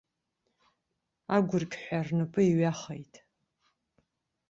Агәырқьҳәа рнапы иҩахеит.